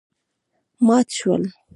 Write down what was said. مات شول.